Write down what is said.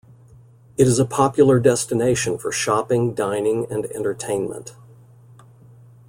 It is a popular destination for shopping, dining and entertainment.